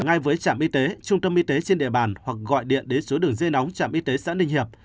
ngay với trạm y tế trung tâm y tế trên địa bàn hoặc gọi điện đến số đường dây nóng trạm y tế xã ninh hiệp